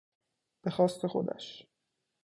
به خواست خودش